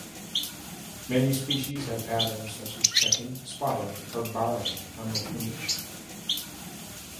Many species have patterns such as checking, spotting, or barring on their plumage.